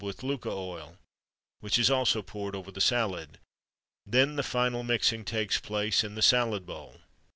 _ with Lucca oil, which is also poured over the salad. Then the final mixing takes place, in the salad bowl.